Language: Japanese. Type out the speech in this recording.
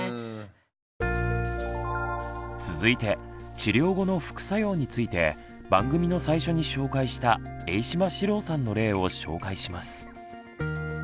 続いて治療後の副作用について番組の最初に紹介した榮島四郎さんの例を紹介します。